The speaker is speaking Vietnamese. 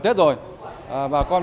giúp đỡ cho bà con xí mẩn